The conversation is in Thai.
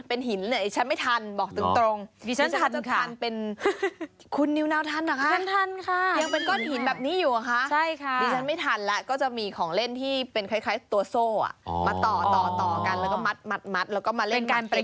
เป็นการไปยุกอย่างงั้นไหมคุณ